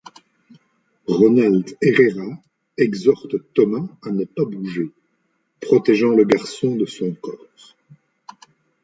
Ronald Herrera exhorte Thomas à ne pas bouger, protégeant le garçon de son corps.